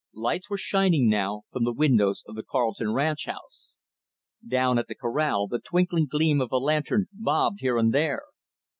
Lights were shining, now, from the windows of the Carleton ranch house. Down at the corral, the twinkling gleam of a lantern bobbed here and there.